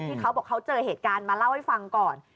เขาบอกเขาเจอเหตุการณ์มาเล่าให้ฟังก่อน